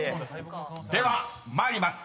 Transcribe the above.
［では参ります。